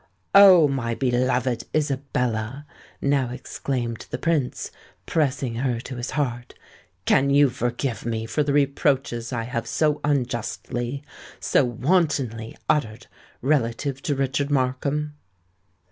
"Oh! my beloved Isabella," now exclaimed the Prince, pressing her to his heart, "can you forgive me for the reproaches I have so unjustly—so wantonly uttered relative to Richard Markham?"